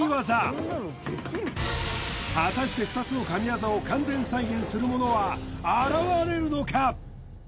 果たして２つの神業を完全再現する者は現れるのか？